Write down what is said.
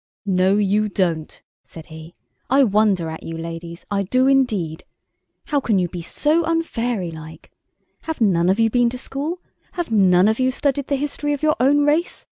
"No you don't!" said he. "I wonder at you, ladies, I do indeed. How can you be so unfairylike? Have none of you been to school—have none of you studied the history of your own race?